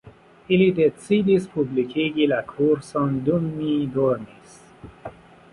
Ili decidis publikigi la kurson dum mi dormis